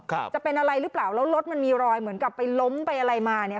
ครับจะเป็นอะไรหรือเปล่าแล้วรถมันมีรอยเหมือนกับไปล้มไปอะไรมาเนี้ย